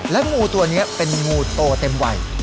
และงูตัวนี้เป็นงูโตเต็มวัย